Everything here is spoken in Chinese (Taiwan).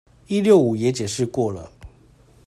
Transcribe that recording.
一六五也解釋過了